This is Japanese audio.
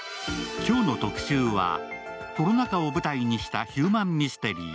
今日の特集はコロナ禍を舞台にしたヒューマンミステリー